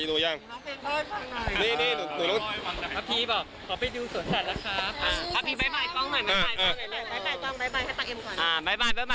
น้องพีมบอกว่ามาเดินงานเดินหม้อ